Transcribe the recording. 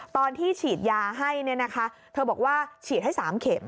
ตอนที่ฉีดยาให้เนี่ยนะคะเธอบอกว่าฉีดให้๓เข็ม